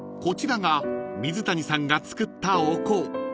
［こちらが水谷さんが作ったお香］